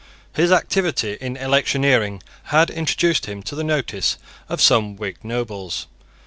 His activity in electioneering had introduced him to the notice of some Whig nobles.